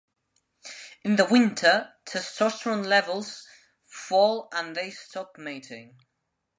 In the winter, testosterone levels fall and they stop mating.